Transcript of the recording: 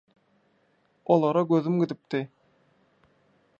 Olara gözüm gidipdi.